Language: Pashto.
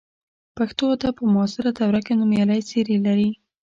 پښتو ادب په معاصره دوره کې نومیالۍ څېرې لري.